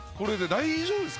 大丈夫です。